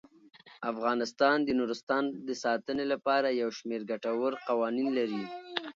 افغانستان د نورستان د ساتنې لپاره یو شمیر ګټور قوانین لري.